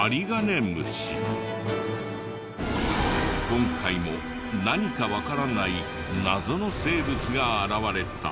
今回も何かわからない謎の生物が現れた！